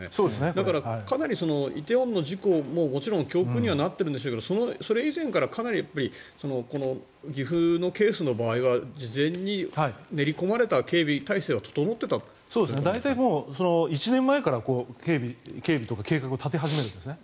だから、かなり梨泰院の事故ももちろん教訓にはなってるんでしょうけどそれ以前からかなりこの岐阜のケースの場合は事前に練り込まれた警備態勢が整っていたと。大体１年前から警備とかの計画を立て始めるんですね。